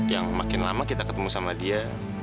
yang makin lama kita ketemu sama dia